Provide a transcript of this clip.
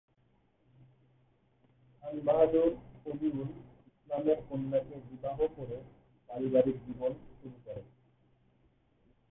খান বাহাদুর ওলি উল ইসলামের কন্যাকে বিবাহ করে পারিবারিক জীবন শুরু করেন।